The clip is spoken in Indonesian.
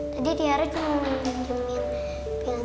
tadi tiara cuma meminjamkan